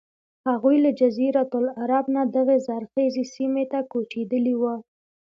هغوی له جزیرة العرب نه دغې زرخیزې سیمې ته کوچېدلي وو.